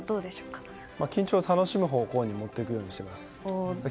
緊張は楽しむ方向に持っていくようにしています。